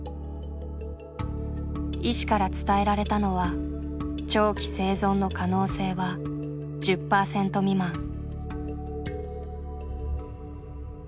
医師から伝えられたのは「長期生存の可能性は１０％未満」。